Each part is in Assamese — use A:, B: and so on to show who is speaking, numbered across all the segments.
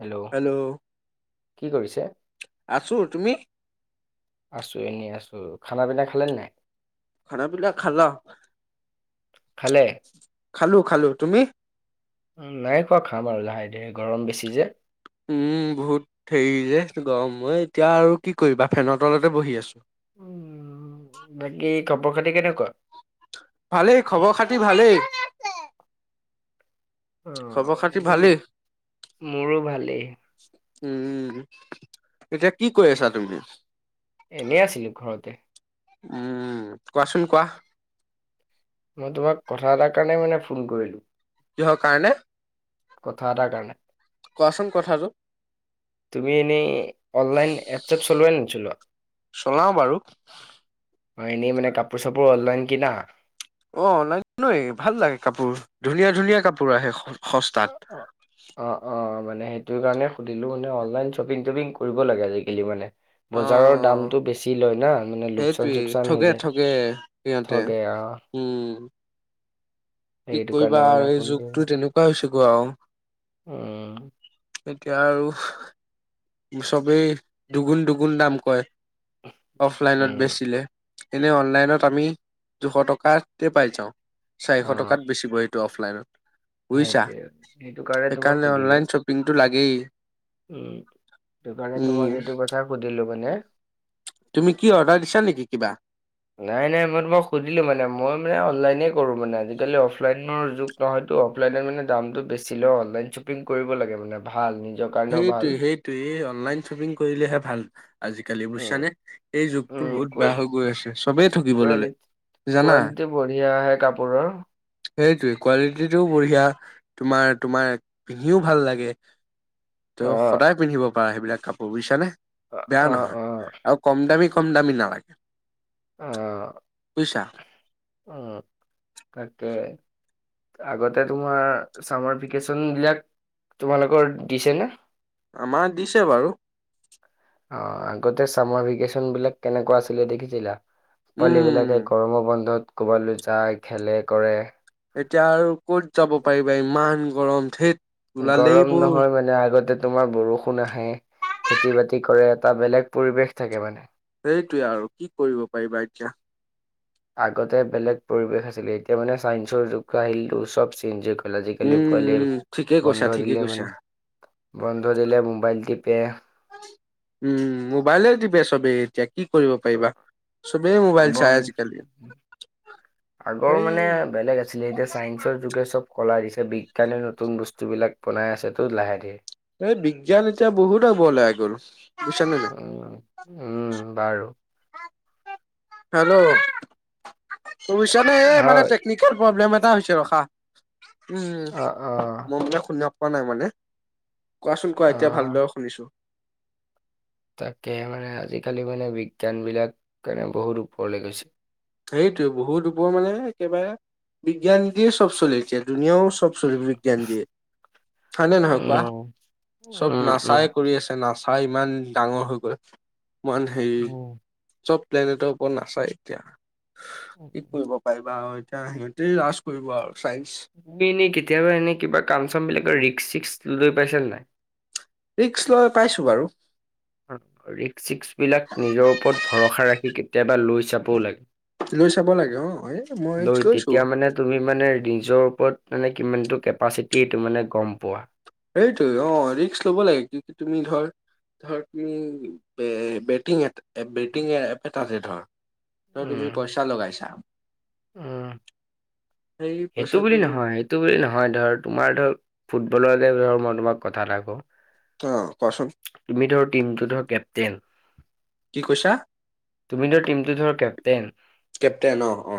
A: হেল্ল' কি কৰিছে?
B: আছো তুমি
A: আছো এনেই আছো খানা পিনা খালে নে নাই
B: খানা পিলা খালা
A: খালে
B: খালো খালো তুমি
A: নাই খোৱা খাম আৰু লাহে ধীৰে গৰম বেছি যে
B: উম বহুত হেৰি যে গৰম এই এতিয়া আৰু কি কৰিবা ফেনৰ তলতে বহি আছো
A: উ বাকী খবৰ খাতি কেনেকুৱা?
B: ভালেই খবৰ খাতি ভালেই।
A: অ'
B: খবৰ খাতি
A: মোৰ
B: ভালেই।
A: মোৰো ভালেই।
B: উম এতিয়া কি কৰি আছা তুমি?
A: এনেই আছিলো ঘৰতে।
B: উম কোৱাচোন কোৱা
A: মই তোমাক কথা এটাৰ কাৰণে মানে ফোন কৰিলো
B: কিহৰ কাৰণে?
A: কথা এটাৰ কাৰণে
B: কোৱাচোন কথাটো
A: তুমি এনেই অনলাইন এপছ এপ চলোৱা নে নছলোৱা
B: চলাও বাৰু
A: অ এনেই মানে কাপোৰ চাপোৰ অনলাইন কিনা
B: অ অনলাইন নৈয় ভাল লাগে কাপোৰ ধুনীয়া ধুনীয়া কাপোৰ আহে সস্তাত
A: অ, অ', অ', মানে সেইটো কাৰণে সুধিলো মানে অনলাইন শ্বপিং তটপিং কৰিব লাগে আজিকালি মানে
B: অ
A: বজাৰৰ দামটো বেছি লয় না মানে লোকচান
B: সেইটোৱে
A: চোকচান হৈ
B: ঠগে
A: যায়
B: ঠগে সিহঁতে
A: ঠগে আহ
B: উম কি
A: এইটো
B: কৰিবা
A: কাৰণে
B: আৰু
A: মানে
B: যুগটো তেনেকুৱা হৈছে গ আৰু
A: উম
B: এতিয়া আৰু চবেই দুগুণ দুগুণ দাম কয়। অফলাইনত
A: উম।
B: বেচিলে এনেই অনলাইনত আমি দুশ টকাতে পাই যাওঁ চাৰিশ
A: অ',
B: টকাত বেচিব অফলাইনত বুজিছা
A: সেইটোৱে সেইটো কাৰণে তোমাক
B: সেইকাৰণে
A: সুধিলো
B: অনলাইন শ্বপিংটো লাগেই
A: উম সেই কাৰণে
B: উম
A: তোমাক এইটো কথা সুধিলো মানে
B: তুমি কি অৰ্ডাৰ দিছা নেকি কিবা?
A: নাই নাই মই তোমাক সুধিলো মানে মই মানে অনলাইনে কৰো মানে আজিকালি অফলাইনৰ যুগ নহয়। অফলাইনত মানে দামতটো বেছি ল অনলাইন শ্বপিং কৰিব লাগে মানে ভাল নিজৰ কাৰণেও ভাল।
B: সেইটোৱে সেইটোৱেই অনলাইন শ্বপিং কৰিলেহে ভাল আজিকালি
A: উম,
B: বুজিছানে এই যুগটো
A: উম,
B: বহুত
A: কোৱেল
B: বেয়া হৈ গৈ আছে চবেই ঠগিব ললে
A: কোৱেলিটি
B: জানা।
A: কোৱালিটি বঢ়িয়া আহে কাপোৰৰ
B: সেইটোৱে কোৱালিটিটোও বঢ়িয়া তোমাৰ তোমাৰ পিন্ধিও ভাল লাগে ত
A: অ',
B: সদায় পিন্ধিব পাৰা সেইবিলাক কাপোৰ বুজিছানে বেয়া
A: অ',
B: নহয়
A: অ',
B: আৰু কম দামী কম দামী নালাগে
A: আহ
B: আছা
A: উম তাকে আগতে তোমাৰ চামাৰ ভেকেশচন বিলাক তোমালোকৰ দিছে ন
B: আমাৰ দিছে বাৰু
A: অ আগতে চামাৰ ভেকেশচন বিলাক কেনেকুৱা আছিলে দেখিছিলা পোৱালী
B: উম।
A: বিলাকে গৰম বন্ধত ক'বালৈ যায় খেলে কৰে
B: এতিয়া আৰু কত যাব পাৰিবা ইমান গৰম ঠেট
A: গৰম নহয় মানে আগতে তোমাৰ বৰষুণ আহে খেতি বাতি কৰে এটা বেলেগ পৰিৱেশ থাকে মানে
B: সেইটোৱে আৰু কি কৰিব পাৰিবা এতিয়া
A: আগতে বেলেগ পৰিৱেশ আছিলে এতিয়া মানে চাইন্সৰ যুগ আহিলটো চব চেঞ্জ হৈ গ'ল। ফ আজিকালি
B: উম
A: পোৱালি
B: উম ঠিকে কৈছা
A: বন্ধ
B: ঠিকে
A: দিলে
B: কৈছা
A: মানে বন্ধ দিলে মোবাইল টিপে
B: উম মোবাইলে দিবে চবেই এতিয়া কি কৰিব পাৰিবা চবেই মোবাইল
A: বন
B: চাই আজিকালি
A: আগৰ
B: সেই
A: মানে বেলেগ আছিলে এতিয়া চাইন্সৰ যুগে চব কলা দিছিল যে বিজ্ঞানে নতুন বস্তুবিলাক বনাই আছে টো লাহে কে
B: এই বিজ্ঞান এতিয়া বহুত আগুৱালে আগৰু
A: উম উম বাৰু
B: হেল্লো নে এই মানে
A: হয়
B: টেকনিকেল প্ৰব্লেম এ হৈছে ৰখা
A: অ অ
B: উম মই মানে শুনিব পৰা নাই মানে, কোৱাচোন কোৱা
A: অ
B: এতিয়া ভালদৰে শুনিছো
A: তাকে মানে আজিকালি মানে বিজ্ঞান বিলাক কে বহুত ওপৰলে গৈছে
B: সেইটোৱে বহুত ওপৰ মানে একেবাৰে বিজ্ঞানতিয়ে চব চলে এতিয়া ধুনীয়াও [unintelligible] বিজ্ঞান হয় নে নহয় কোৱা
A: উম
B: চব
A: উম উম
B: নাচাই কৰি আছে নাচ চাই ইমান ডাঙৰ হৈ গ'ল ইমান হেৰি
A: উম
B: চব প্লেনেটৰ ওপৰত নাচায় এতিয়া কি কৰিব পাৰিবা সিহঁতে লাজ কৰিব আৰু চাইন্স
A: তুমি এনেই কেতিয়াবা এনে কিবা কাম চামবিলাকৰ ৰিস্ক চিক্স লৈ পাইছা নাই।
B: ৰিকস্ক লৈ পাইছো বাৰু
A: ৰিক্ক চিস্ক বিলাক নিজৰ ওপৰত ভৰসা ৰাখি কেতিয়াবা লৈ চাবও লাগে
B: লৈ চাব লাগে অ এই মই ৰিক্স
A: দই
B: লৈছো।
A: তেতিয়া মানে তুমি মানে নিজৰ ওপৰত মানে কিমানটো কেপাচিটি এইটো মানে গম পোৱা
B: সেইটোয়ে অ ৰিক্ক লব লাগে কি তুমি ধৰ ধৰ কি বেটিং বেটিং এপ এটা আছে ধৰ তই তুমি পইচা লগাইছা
A: আহ
B: সেই
A: সেইটো
B: পইচাটো
A: বুলি নহয় সেইটো বুলি নহয় ধৰ তোমাৰ ধৰ ফুটবলৰ মই তোমাক কথা এটা ক
B: অ' কোৱাচোন
A: তুমি ধৰ টিমটো ধৰ কেপটেইন
B: কি কৈছা?
A: তুমি ধৰ টিমটো ধৰ কেপ্তেইন
B: কেপ্টেইন অ অ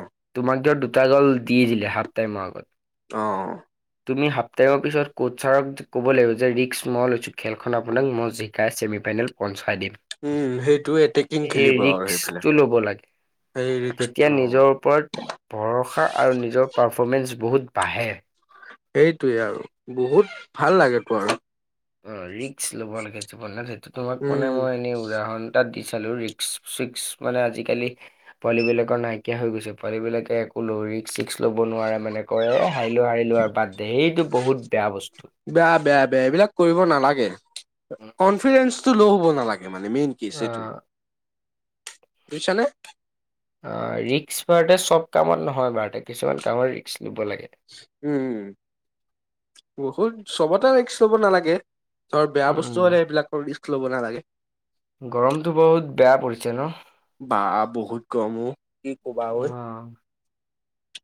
A: ফুতা গল দি দিলে হাফ টাইমৰ আগত
B: অ
A: তুমি সাপটাইমৰ পিছত কোচ ছাৰক ক'ব লাগিব যে ৰিক্ক ম লৈছো খেলখন আপোনাক মই জিকাই চেমি পাই ল পাই দিম
B: উম, সেইটো এটেকিং
A: এই
B: খেলিব আৰু সেইফালে
A: ৰিক্সটো লব লাগে
B: সেই ৰিক্সটো
A: তেতিয়া
B: অ'
A: নিজৰ ওপৰত ভৰসা আৰু নিজৰ পাৰফৰ্মেন্স বহুত বাহে
B: সেইটোৱে আৰু বহুত ভাল লাগেতো আৰু
A: অ ৰিক্স লব লাগে অঁ তোমাক
B: উম,
A: মানে মই এনেই উদাহৰণ এটা দিছো এফালেওঁ ৰিক্স চিক্স আজিকালি পোৱালি বিলাকৰ নাইকিয়া হৈ গৈছে পোৱালি বিলাকে একো ৰিক্স চিক্স ল'ব নোৱাৰে মানে কয় এ হাৰিলো হাৰিলো আৰু বাৰ্থ দে এইটো বহুত বেয়া বস্তু
B: বেয়া বেয়া বেয়া এইবিলাক কৰিব নালাগে কনফিডেন্সতটো ল' হ'ব নালাগে মানে মেইন কেছ
A: অ
B: সেইটোৱে বুইছানে
A: অ ৰিক্স বাৰতে চব কামত নহয় বাৰতে কিছুমান কামত ৰিক্স ল'ব লাগে।
B: উম বহুত চবতে ৰিক্স লব নালাগে। ধৰ বেয়া
A: উম
B: বস্তু হলে সেইবিলাকৰ ৰিক্স লব নালাগে
A: গৰমতটো বহুত বেয়া পৰিছে ন
B: বা বহুত গৰম অ কি কবা ঐ
A: অ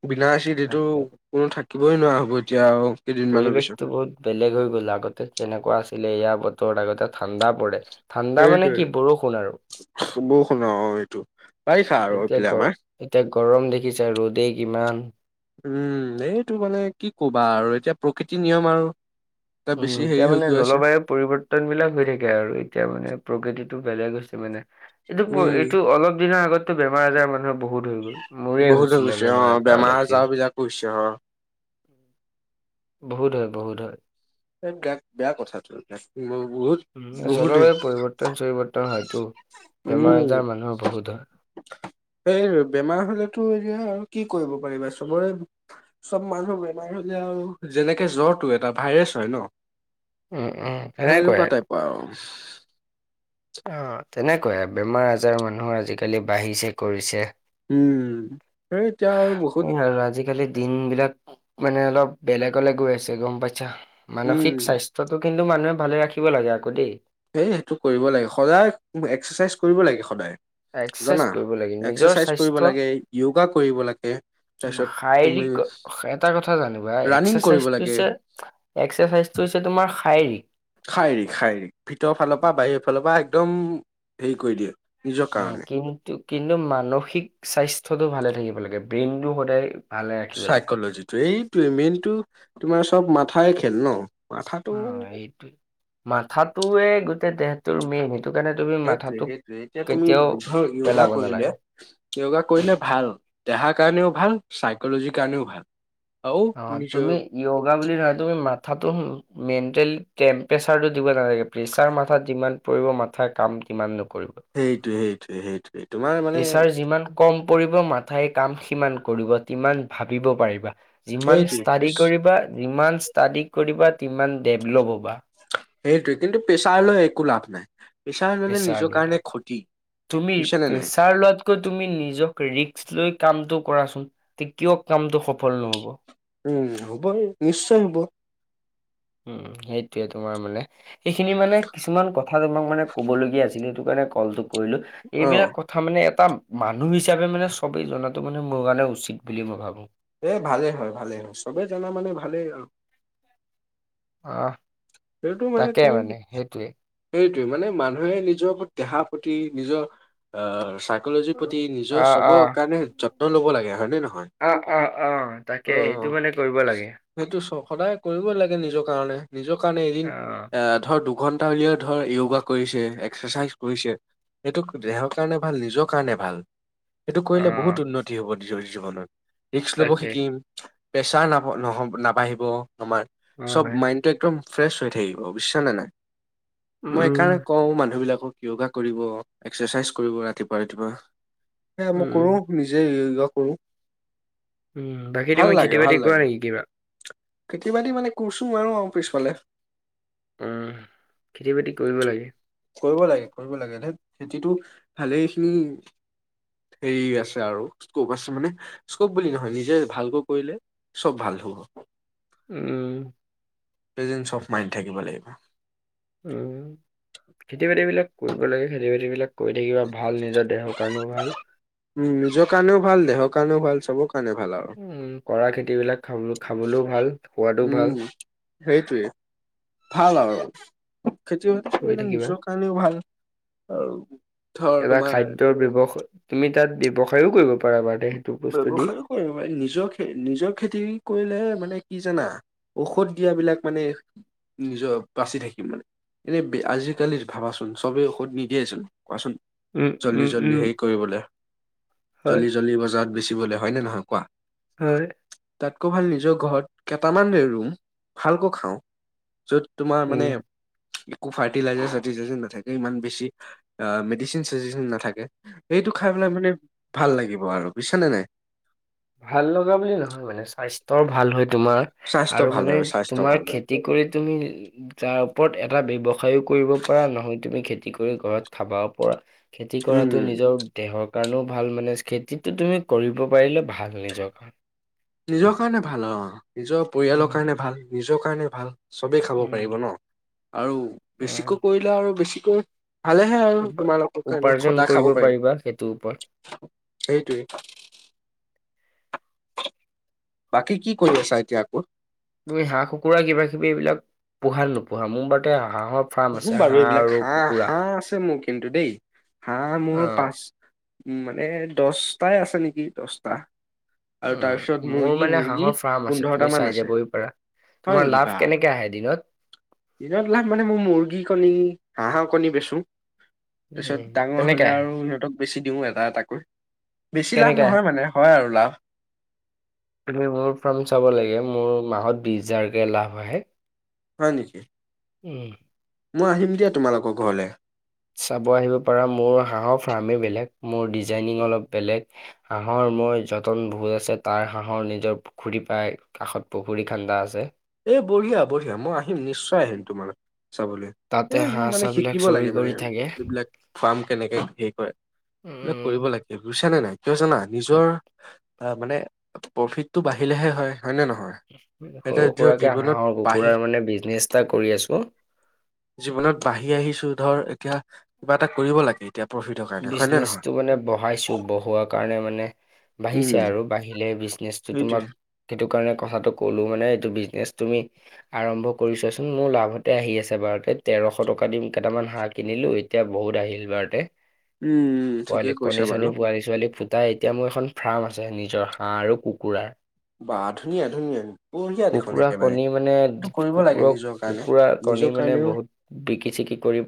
B: বিনাচি এইটো
A: তাকে।
B: কোনো থাকিবই নোৱাৰা হ'ব এতিয়া আউ
A: পৰিবেশতটো বহুত বেলেগ হৈ গ'ল আগতে কেনেকুৱা আছে ছিলে এয়া বতৰত আগতে ঠাণ্ডা পৰে ঠাণ্ডা মানে
B: সেইটোৱে
A: কি বৰষুণ আৰু
B: বৰষুণ আৰু এইটো বাৰিষা আৰু
A: এতিয়া
B: এইফালে
A: গৰ
B: আমাৰ
A: এতিয়া গৰম দেখিছে ৰ'দেই কিমান
B: উম এইটো মানে কি কবা আৰু এতিয়া প্ৰকৃতিৰ নিয়ম আৰু এটা
A: উম
B: বেছি
A: এতিয়া
B: হেৰি হৈ
A: মানে
B: গৈ আছে
A: জলবায়ুৰ পৰিৱৰ্তন বিলাক হৈ থাকে আৰু এতিয়া মানে প্ৰকৃতিত টো বেলেগ হৈছে মানে এইটো
B: উম
A: এইটো অলপ দিনৰ আগতে বেমাৰ আজাৰ মানুহৰ বহুত হৈ গল মোৰে হৈছিলে বেমাৰ এটা অলপ দিন।
B: বেমাৰজাৰবিলাক কৈছে
A: বহুত হয় বহুত হয়
B: এইবিলাক বেয়া কথাটো এইবিলাক বহুত বহুতে
A: জলবায়ু পৰিৱৰ্তন চৰিৱৰ্তন হয়
B: উম
A: হয়
B: সেই বেমাৰ হলেতো এয়া আৰু কি কৰিব পাৰিবা চবৰে চব মানুহৰ বেমাৰ হলে আৰু যেনেকে জ্বৰটো এটা ভাইৰাছ ন
A: উম উম সেনেকুৱাই।
B: সেনেকুৱা টাইপ আউ
A: অ তেনেকুৱয়াই বেমাৰ আজাৰ মানুহ আজিকালি বাঢ়িছে কৰিছে।
B: উম সে এতিয়া আৰু বহুত
A: দিনবিলাক মানে অলপ বেলেগলে গৈ আছে গম পাইছা মানসিক
B: উম
A: স্বাস্থ্যটো কিন্তু মানুহে ভালে ৰাখিব লাগে আকৌ দেই
B: এই সেইটো কৰিব লাগে সদায় এক্সাৰচাইজ কৰিব লাগে সদায়
A: এক্সাৰচাইজ
B: জানা
A: কৰিব লাগে নিজৰ
B: এক্সাৰচাইজ কৰিব
A: স্বাস্থ্য
B: লাগে য়োগা কৰিব লাগে, তাৰপিছত তুমি
A: শাৰীৰিক এটা কথা জানিবা
B: ৰানিং
A: এক্সাৰচাইজ
B: কৰিব
A: টো
B: লাগে
A: হৈছে এক্সাৰচাইজটোত, হৈছে তোমাৰ খা
B: শাৰীৰিক শাৰীৰিক ভিতৰ ফালৰ পৰা বাহিৰ ফালৰ পৰা একদম হেৰি কৰি দিয়ে, নিজৰ
A: উম
B: কাৰণে
A: কিন্তু কিন্তু মানসিক স্বাস্থ্যটো ভালে থাকিব লাগে ব্ৰেইনটো সদায় ভালে ৰাখিব লাগে
B: চাইকলজিটো এইটোৱে মেইনতটো তোমাৰ চব মাথাই খেল ন মাথাটো
A: অ এইটোৱে মাথাতোৱে গোটেই দেহটোৰ মেইন কাৰণে তুমি
B: সেইটোৱে
A: মাথাটোক
B: সেইটোৱে এতিয়া তুমি
A: কেতিয়াও
B: ধৰ য়োগা
A: পেলাব
B: কৰিলে
A: নালাগে
B: য়োগা কৰিলে ভাল। দেহাৰ কাৰণেও ভাল চাইকলজিৰ কাৰণেও ভাল। আৰু
A: অ
B: নিজৰ
A: তুমি য়োগা বুলি নহয় তুমি মাথাত মেণ্টেলি টেম্পৰেচাৰটো দিব নালাগে প্ৰেচাৰ মাথাত যিমান পৰিব মাথা কাম কিমান কৰিব
B: সেইটোৱে সেইটোৱে সেইটোৱে তোমাৰ মানে
A: প্ৰেচাৰ যিমান কম পৰিব মাথাই কাম সিমান কৰিব কিমান ভাবিব পাৰিবা। যিমান
B: সেইটোৱে
A: ষ্টাডি
B: পিছ
A: কৰিবা যিমান ষ্টাডি কৰিবা সিমান ডেভল'প হ'বা।
B: সেইটোৱে কিন্তু প্ৰেছাৰ লৈ একো লাভ নাই প্ৰেছাৰ মানে নিজৰ কাৰণে ক্ষতি।
A: তুমি
B: বুজিছানে নাই
A: প্ৰেছাৰ লোৱাত কৈ তুমি নিজক ৰিক্স লৈ কামটো কৰাচোন কিয় কামটো সফল নহ'ব।
B: উম হব নিশ্চয় হব।
A: উম সেইটোয়ে তোমাৰ মানে সেইখিনি মানে কিছুমান কথা তোমাক মানে কবলগীয়া আছিলে সেইটো কাৰণে, কলটো কৰিলো
B: অ
A: এইবিলাক কথা মানে এটা মানুহ হিচাপে মানে চবেই জনাটো মানে মোৰ কাৰণে উচিত বুলি মই ভাবো।
B: এই ভালে হয় ভালে হয় চবেই জানা মানে ভালেই আৰু
A: আহ,
B: সেইটো মানে
A: তাকে
B: তুমি
A: সেইটোৱে।
B: সেইটো মানে মানুহে নিজৰ দেহা প্ৰতি নিজৰ আহ চাই বলৈ যে প্ৰতি নিজৰ
A: অ',
B: চবৰ কাৰণে যত্ন ল'ব লাগে হয় নে ন
A: আহ অ অ তাকে এইটো মানে কৰিব লাগে।
B: সেইটো চ সদায় কৰিবই লাগে নিজৰ কাৰণে, নিজৰ কাৰণে
A: অ',
B: এদিন এ ধৰ দুঘন অ য় ধৰ য়গা কৰিছে, এক্সাৰচাইজ কৰিছে এইটো দেহৰ কাৰণে ভাল নিজৰ কাৰণে ভাল। সেইটো কৰিলে বহুত
A: অ',
B: উন্নতি হব জীৱনত ৰিক্স লব
A: তাকে
B: শিকিম প্ৰেছাৰ ন নহ'ব নাবাঢ়িব আমাৰ
A: অ',
B: চব
A: ভাই
B: মাইণ্ডটো একদম ফ্ৰেছ হৈ থাকিব বুজিছনে নাই মই এইকাৰণে
A: উম,
B: কওঁ মানুহবিলাকক য়োগা কৰিব এক্সাৰচাইজ কৰিব ৰাতিপুৱা ৰাতিপুৱা সে মই কৰোঁ
A: উম,
B: নিজে কৰু
A: উ বাকী তুমি খেতি বাতি কৰা নেকি কিবা?
B: খেতি বাতি মানে কৰিছো আৰু পিছফালে।
A: উম, খেতি বাতি কৰিব লাগে।
B: কৰিব লাগে কৰিব লাগে হ খেতিটো ভালেইখিনি হেৰি আছে আৰু স্কোপ আছে মানে স্কোপ বুলি নহয় নিজে ভালকৈ কৰিলে চব ভাল। হু [unintelligible]
A: উম
B: প্ৰেজেন্স অফ মাইণ্ড থাকিব লাগিব।
A: উম খেতি বাতি বিলাক কৰিব লাগে খেতি বাতি বিলাক কৰি থাকিবা ভাল নিজৰ দেহৰ কাৰণেও ভাল
B: উম নিজৰ কাণেও ভাল দেহৰ কাৰণেও ভাল চব কাৰণে, ভাল আৰু।
A: উম কৰা খেতিবিলাক খাব খাবলৈও ভাল সোৱাদো ভাল
B: উম সেইটোৱে ভাল আৰু খেতি বাতি
A: কৰি
B: কৰিলে
A: থাকিবা।
B: নিজৰ কাৰণেও ভাল অ
A: এটা খাদ্যৰ ব্যৱ, তুমি তাত ব্যৱসায়ও কৰিব পাৰা বাৰু। দে সেইটো বস্তু দি।
B: ব্যৱসায়ো কৰে মান নিজৰ খে নিজৰ খেতি কৰিলে মানে কি জানা ঔষধ দিয়াবিলাক মানে নিজৰ বাচি থাকিম মানে। এনে আজিকালিৰ ভাবাচোন চবেই ঔষধ নিদিয়েচোন। কোৱাচোন
A: উম
B: জল্দি
A: উম উম
B: জল্দি হেৰি কৰিবলৈ,
A: হয়
B: জল্দি জল্দি বজাত পুচিবলৈ হয় নে নহয় কোৱা?
A: হয়।
B: তাতকৈ ভাল নিজৰ ঘৰত কেইটামান ৰুম, ভালকৈ খাওঁ। য'ত তোমাৰ মানে
A: উম।
B: একো ফাৰ্টিলাইজাৰ -চাৰটিলাইজাৰ নাথাকে ইমান বেছি আ মেডিচিন -চেদিচিন নাথাকে সেইটো খাই পেলাই মানে ভাল লাগিব আৰু বুজিছা নে নাই?
A: ভাল লগা বুলি নহয় মানে স্বাস্থ্যৰ ভাল হয়। তোমাৰ
B: স্বাস্থ্য
A: আৰু
B: ভাল
A: মানে
B: হয় স্বাস্থ্য
A: তোমাৰ
B: ভাল হয়
A: খেতি কৰি তুমি তাৰ ওপৰত এটা ব্যৱ সায়ো কৰিব পাৰা নহয় তুমি খেতি কৰি ঘৰত খাবা পৰা, খেতি
B: উম
A: কৰাতো নিজৰ দেহক কাৰনেও ভাল মানে খেতিটো তুমি কৰিব পাৰিলে ভাল নিজৰ কাৰণে।
B: নিজৰ কাৰণে ভাল অ। নিজৰ পৰিয়ালৰ
A: উম,
B: কাৰণে ভাল, নিজৰ কাৰণে ভাল চবেই খাব পাৰিব
A: উম,
B: ন। আৰু বেছিকৈ
A: উম।
B: কৰিলে আৰু বেছিকৈ ভালেহে আৰু
A: উপ-
B: তোমালোকৰ কাৰণে
A: উপাৰ্জন
B: সদা
A: কৰিব
B: খাব পাৰিম।
A: পাৰিবা সেইটোৰ ওপৰত
B: সেইটোৱেই।
A: [inaudible]
B: বাকী কি কৰি আছা এতিয়া আকৌ?
A: তুমি হাঁহ- কুকুৰা কিবা কিবি এইবিলাক পোহা নোপোহা মোৰ বাৰতে আহ
B: পোহো বাৰু এইবিলাক হাঁহ -হাঁহ আছে মোৰ কিন্তু দেই, হাঁহ
A: অ
B: মোৰ পাচ উম মানে দছটাই আছে নেকি দছটা। আৰু তাৰপিছত
A: উম মোৰ
B: মুৰ্গী
A: মানে
B: মুৰ্গী
A: হাঁহৰ ফাৰ্ম আছে
B: পোন্ধৰটা
A: তুমি
B: মান
A: চাই
B: আছে
A: যাবহি পাৰা।
B: হয়
A: তোমাৰ
B: নেকি
A: লাভ
B: বা
A: কেনেকে আহে এদিনত?
B: দিনত লাক মানে মো মুৰ্গী কণী হাঁহৰ কণী বেচো। তাৰ
A: উম
B: পিছত ডাঙৰ
A: তেনেকে
B: হলে
A: আহে
B: আৰু সিহঁতক। বেছি দিও এটা এটাকৈ বেছি লাভ
A: কেনেকে আহে
B: নহয় মানে হয় আৰু লাভ।
A: তুমি মোৰ ফাৰ্ম চাব লাগে মোৰ বিছ হাজাৰ কে লাভ আহে।
B: হয় নিকি?
A: উম।
B: মই আহিম দিয়া তোমালোকৰ ঘৰলৈ।
A: চাব আহিব পাৰা মোৰ হাঁহৰ ফাৰ্মেই বেলেগ মোৰ ডিজাইনিং অলপ বেলেগ, হাঁহৰ মোৰ যতন বহুত আছে তাৰ হাঁহৰ নিজৰ পুখুৰী পায়, কাষত পুখুৰী খান্দা আছে।
B: এ বঢ়িয়া বঢ়িয়া, মই আহিম নিশ্চয় আহিম তোমালৈ চাবলৈ,
A: তাতে
B: এই
A: হাঁহ
B: মানে
A: চাহ বিলাক
B: শিকিব
A: চৰি
B: লাগে মানে
A: কৰি থাকে
B: এইবিলাক ফাৰ্ম কেনেকে হে কৰে? এইবিলাক কৰিব
A: উম
B: লাগে বুজিছা নে নাই? কিয় জানা, নিজৰ আ মানে প্ৰফিটটো বাঢ়িলেহে হয়। হয় নে নহয়? এটা
A: কুকুৰাকে হাঁহৰ কুকুৰাৰ মানে বিজনেছ এটা কৰি আছো
B: জীৱনত বাঢ়ি আহিছো ধৰ এতিয়া কিবা এটা কৰিব লাগে। এতিয়া প্ৰফিটৰ কাৰণে হয় নে নহয়
A: বিজনেচটো মানে বঢ়াইছো বঢ়োৱাৰ কাৰণে মানে বাঢ়িছে
B: উম
A: আৰু বাঢ়িলে বিজনেচটো তোমাক
B: সেইটোৱে
A: সেইটো কাৰণে কথাটো ক'লো মানে এইটো বিজনেচ তুমি আৰম্ভ কৰিছোৱা চোন মোৰ লাভতে আহি আছে বাৰ তে তেৰশ টকা দিম কেইটামান হাঁহ কিনিলো এতিয়া বহুত আহিল বাৰতে।
B: উম
A: পোৱালী
B: ঠিকেই
A: কণী
B: কৈছা বাৰু
A: -চনী পোৱালী ছোৱালী ফু তাই এতিয়া মোৰ এখন ফ্ৰাম আছে নিজৰ হাঁহ আৰু কুকুৰাৰ।
B: বা ধুনীয়া ধুনীয়া বঢ়িয়া দেখোন
A: কুকুৰা
B: একেবাৰে
A: কণী মানে
B: এইটো কৰিব লাগে
A: কুকুৰক
B: নিজৰ কাৰণে
A: কুকুৰা কণী
B: নিজৰ
A: মানে
B: কাৰণেও
A: বহুত বিকি চিকি কৰি